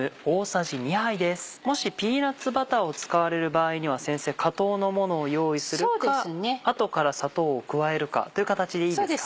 もしピーナッツバターを使われる場合には先生加糖のものを用意するか後から砂糖を加えるかという形でいいですか？